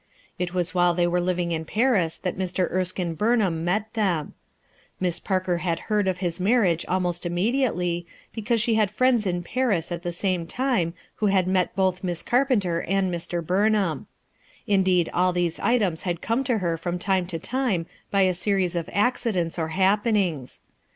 It was while they were living in Paris that Mr. Erskine Burn ham met them* Miss Parker had heard of his marriage almost immediately, because she had friends in Paris at the time who had met both Miss Carpenter and Mr, Burnham, Indeed all these items had come to her from time to time by a series of accidents or happenings.